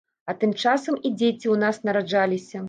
А тым часам і дзеці ў нас нараджаліся.